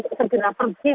itu segera pergi begitu